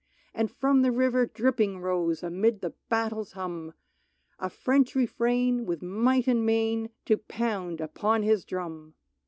And from the river dripping rose Amid the battle's hum, A French refrain, with might and main, To pound upon his drum.